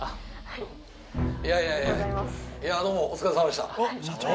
いやいやどうもお疲れさまでした